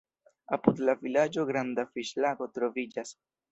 Apud la vilaĝo granda fiŝlago troviĝas.